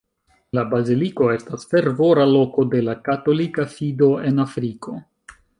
La baziliko estas fervora loko de la katolika fido en Afriko.